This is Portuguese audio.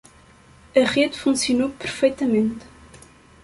A rede funcionou perfeitamente.